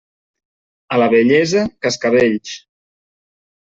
A la vellesa, cascavells.